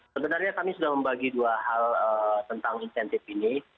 sebenarnya kami sudah membagi dua hal tentang insentif ini